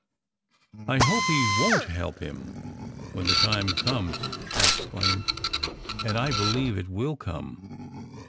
"I hope He won t help him, when that time comes!" I exclaimed. "And I believe it will come.